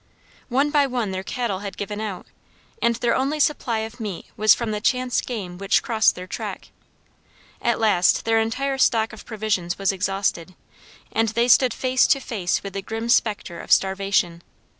One by one their cattle had given out, and their only supply of meat was from the chance game which crossed their track. At last their entire stock of provisions was exhausted, and they stood face to face with the grim specter of starvation.